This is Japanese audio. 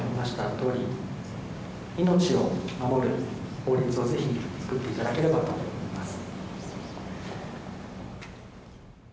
とおり命を守る法律をぜひ作って頂ければと思います。